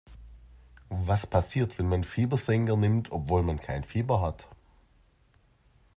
Was passiert, wenn man Fiebersenker nimmt, obwohl man kein Fieber hat?